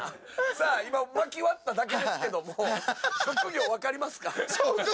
薪割っただけですけども職業わかりますか？